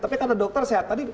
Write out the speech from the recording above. tapi karena dokter sehat